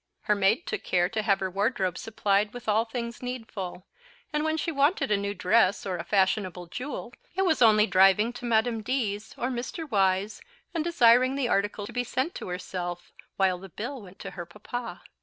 Her maid took care to have her wardrobe supplied with all things needful, and when she wanted a new dress or a fashionable jewel, it was only driving to Madame D.'s, or Mr. Y.'s, and desiring the article to be sent to herself, while the bill went to her papa.